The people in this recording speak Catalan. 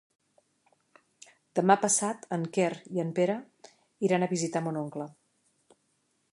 Demà passat en Quer i en Pere iran a visitar mon oncle.